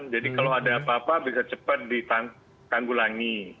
jadi kalau ada apa apa bisa cepat ditanggulangi